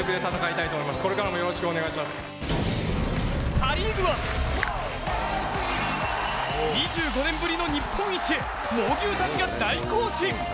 パ・リーグは２５年ぶりの日本一へ猛牛たちが大行進。